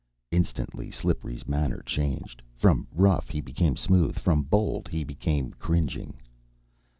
Instantly Slippery's manner changed. From rough he became smooth. From bold he became cringing.